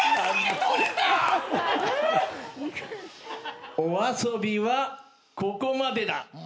お遊びはここまでだ。